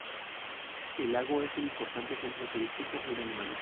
El lago es un importante centro turístico en Alemania.